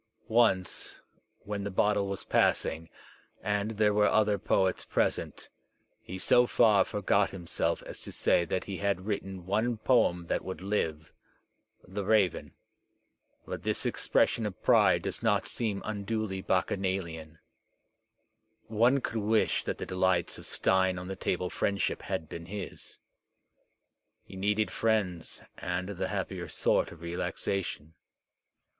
Once, when the bottle was passing, and there were other poets present^ he so far forgot himself as to say that he had written one poem that would live ("Tlie Raven"), but this expression of pride Digitized by Google 130 THE SPIRIT OF AMERICAN LITERATURE does not seem unduly bacchanalian. One could wish that the delights of stein on the table friendship had been his. He needed friends and the happier sort of relaxation.